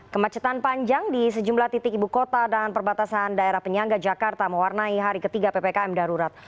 kemacetan panjang di sejumlah titik ibu kota dan perbatasan daerah penyangga jakarta mewarnai hari ketiga ppkm darurat